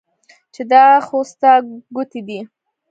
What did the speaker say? چې دا خو ستا ګوتې دي